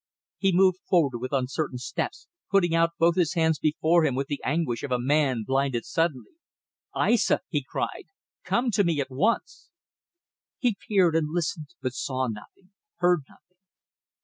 He moved forward with uncertain steps, putting out both his hands before him with the anguish of a man blinded suddenly. "Aissa!" he cried "come to me at once." He peered and listened, but saw nothing, heard nothing.